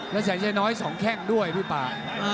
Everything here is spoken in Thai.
และแสนชัยน้อย๒แข้งด้วยพี่ป่า